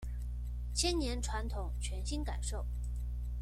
千年傳統全新感受